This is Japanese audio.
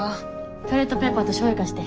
トイレットペーパーとしょうゆ貸して。